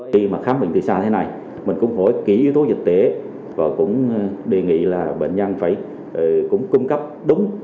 khi khám bệnh từ xa thế này mình cũng hỏi kỹ yếu tố dịch tế và cũng đề nghị là bệnh nhân cũng cung cấp đúng